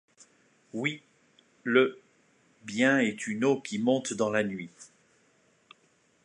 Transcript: Oui, le, bien est une eau qui monte dans la nuit ;